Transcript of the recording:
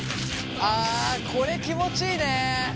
あこれ気持ちいいね！